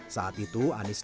saat itu anis dibentuk